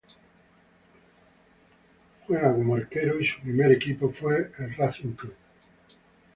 Juega como arquero y su primer equipo fue Racing Club.